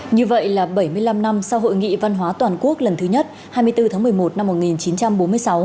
như vậy là bảy mươi năm năm sau hội nghị văn hóa toàn quốc lần thứ nhất hai mươi bốn tháng một mươi một năm một nghìn chín trăm bốn mươi sáu